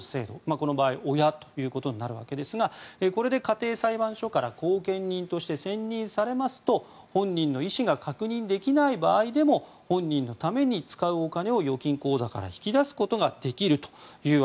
この場合親ということになるわけですがこれで家庭裁判所から後見人として選任されますと本人の意思が確認できない場合でも本人のために使うお金を預金口座から引き出すことができると。